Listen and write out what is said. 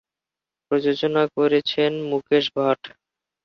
প্রযোজনা করেছেন মুকেশ ভাট।